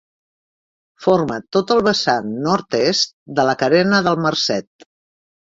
Forma tot el vessant nord-est de la Carena del Marcet.